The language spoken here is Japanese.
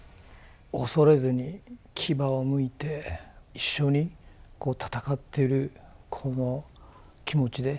恐れずに牙をむいて一緒に戦ってるこの気持ちで。